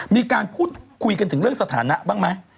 มีการพูดคุยกันถึงเรื่องสถานะบ้างไหม